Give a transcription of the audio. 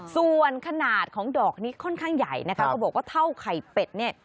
ส่วนขนาดของดอกนี้ค่อนข้างใหญ่นะคะก็บอกว่าเท่าไข่เป็ดเนี่ย